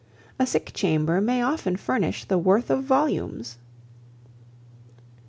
A sick chamber may often furnish the worth of volumes."